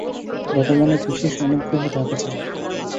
ভগবানের বিশেষ অনুগ্রহ থাকা চাই।